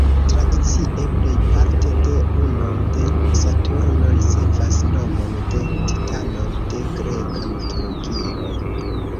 Tradicie, plejparte de lunoj de Saturno ricevas nomon de titanoj de greka mitologio.